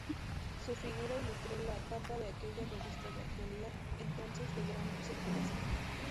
Su figura ilustró la tapa de aquella revista de actualidad, entonces de gran circulación.